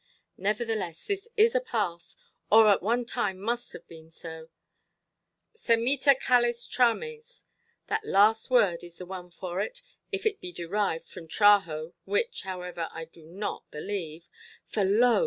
Nevertheless, this is a path, or at one time must have been so; 'semita, callis, tramesʼ—that last word is the one for it, if it be derived from 'traho' (which, however, I do not believe)—for, lo!